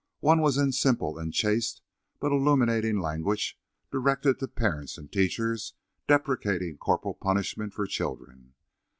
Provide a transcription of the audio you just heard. One was in simple and chaste but illuminating language directed to parents and teachers, deprecating corporal punishment for children.